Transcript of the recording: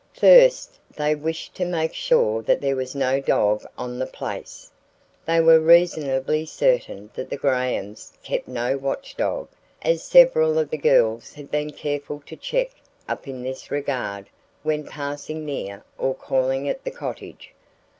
First, they wished to make sure that there was no dog on the place. They were reasonably certain that the Grahams kept no watchdog, as several of the girls had been careful to check up in this regard when passing near or calling at the cottage.